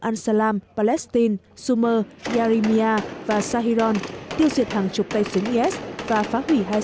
al salam palestine sumer yarymiya và sahiron tiêu diệt hàng chục tay súng is và phá hủy hai